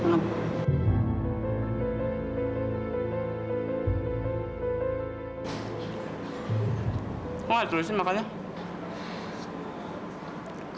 wah terusin makannya